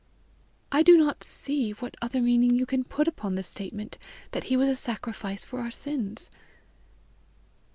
"I do not see what other meaning you can put upon the statement that he was a sacrifice for our sins."